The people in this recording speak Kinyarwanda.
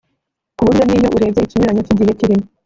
ku buryo n’iyo urebye ikinyuranyo cy’igihe kirimo